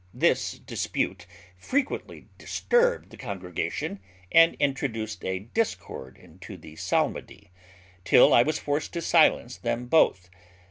This dispute frequently disturbed the congregation, and introduced a discord into the psalmody, till I was forced to silence them both.